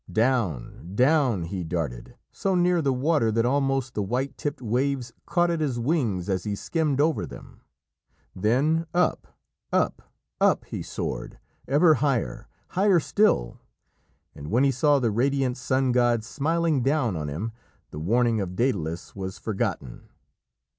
Down, down, he darted, so near the water that almost the white tipped waves caught at his wings as he skimmed over them. Then up, up, up he soared, ever higher, higher still, and when he saw the radiant sun god smiling down on him, the warning of Dædalus was forgotten.